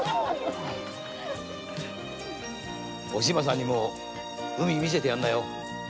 おしまさんにも海を見せてやんなよ。